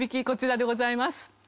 こちらでございます。